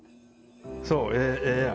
そうええやん。